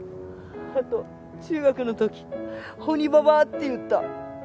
あと中学の時鬼ババアって言った。